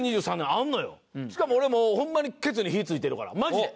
しかも俺もうホンマにケツに火ぃついてるからマジで。